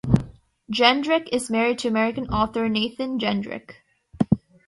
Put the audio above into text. Jendrick is married to American author Nathan Jendrick.